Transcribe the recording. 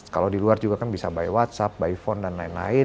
kalau di luar juga kan bisa by whatsapp by phone dan lain lain